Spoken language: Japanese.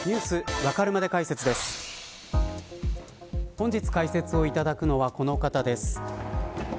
本日解説をいただくのはこの方です。